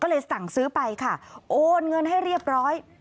ก็เลยสั่งซื้อไปค่ะโอนเงินให้เรียบร้อย